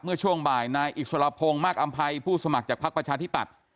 ช่วงบ่ายนายอิสรพงศ์มากอำภัยผู้สมัครจากพักประชาธิปัตย์